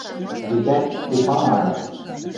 Векӓт, Уфа мары...